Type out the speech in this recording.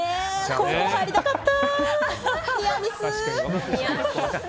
高校入りたかった！